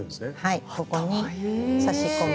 はいここに差し込む。